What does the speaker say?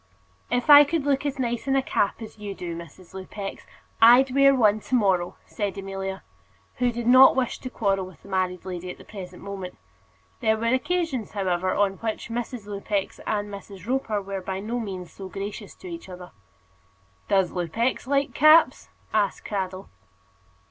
"If I could look as nice in a cap as you do, Mrs. Lupex, I'd wear one to morrow," said Amelia, who did not wish to quarrel with the married lady at the present moment. There were occasions, however, on which Mrs. Lupex and Miss Roper were by no means so gracious to each other. "Does Lupex like caps?" asked Cradell.